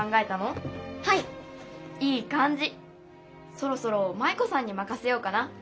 そろそろ舞子さんにまかせようかな。